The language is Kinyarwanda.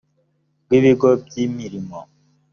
rw ibigo by imirimo